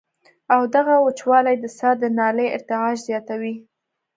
او دغه وچوالی د ساه د نالۍ ارتعاش زياتوي